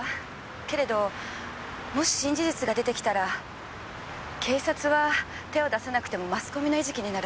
けれどもし新事実が出てきたら警察は手を出さなくてもマスコミの餌食になる。